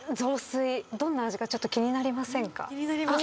どんな味か気になりませんか？